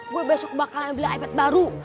gue besok bakal ambil ipad baru